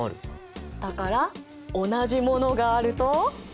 だから同じものがあると？